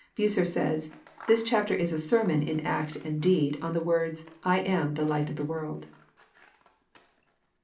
Bacer says, This chapter is a sermon in act and deed, on the words, ' I am the Light of the world.'